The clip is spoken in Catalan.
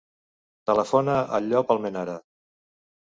Telefona al Llop Almenara.